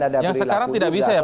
ada berlaku jadwal teknis judicialnya